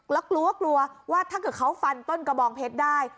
แล้วกลัวกลัวว่าถ้าเกิดเขาฟันต้นกระบองเพชรได้